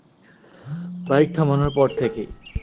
Bike থামানোর পর থেকেই।